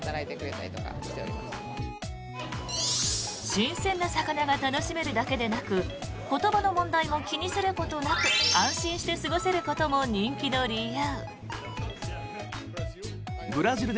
新鮮な魚が楽しめるだけでなく言葉の問題も気にすることなく安心して過ごせることも人気の理由。